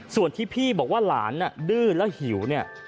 ส่วนที่พี่บอกว่าหลานดื้นและหิว